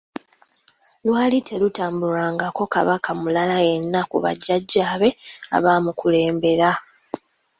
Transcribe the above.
Lwali terutambulwangako Kabaka mulala yenna ku bajjajaabe abaamukulembera.